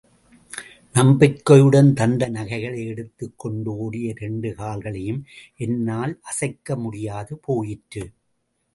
நம்பிக்கையுடன் தந்த நகைகளை எடுத்துக் கொண்டு ஓடிய இரண்டு கால்களையும் என்னால் அசைக்க முடியாது போயிற்று.